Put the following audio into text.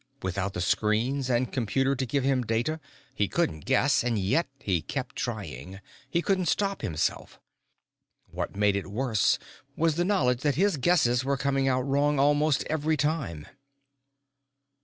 Without the screens and computer to give him data, he couldn't Guess, and yet he kept trying; he couldn't stop himself. What made it worse was the knowledge that his Guesses were coming out wrong almost every time.